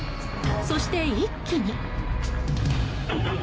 そして一気に。